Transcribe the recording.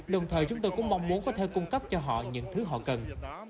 đồng thời chúng tôi cũng mong muốn có thể cung cấp cho họ những thứ họ cần